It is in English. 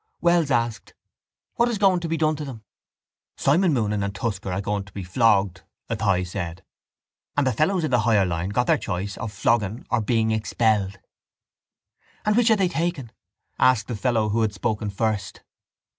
Wells asked: —What is going to be done to them? —Simon Moonan and Tusker are going to be flogged, Athy said, and the fellows in the higher line got their choice of flogging or being expelled. —And which are they taking? asked the fellow who had spoken first.